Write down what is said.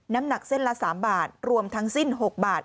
น้ำหนักเส้นละ๓บาทรวมทั้งสิ้น๖บาท